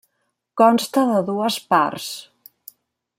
Consta de dues parts.